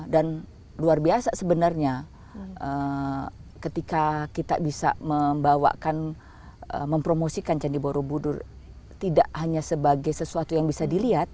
luar biasa sebenarnya ketika kita bisa membawakan mempromosikan candi borobudur tidak hanya sebagai sesuatu yang bisa dilihat